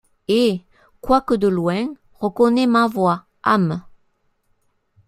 Et, quoique de loin, reconnais ma voix, âme!